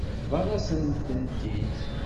Bḍan-asen-tent-id.